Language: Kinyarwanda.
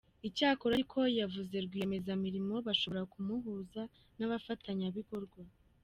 Icyakora ariko yavuze rwiyemezamirimo bashobora ku muhuza n’abafatanyabikorwa.